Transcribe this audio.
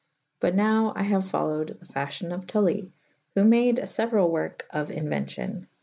But nowe I haue folowed the facion of TuUy / who made a feuerall werke^of inuen cion.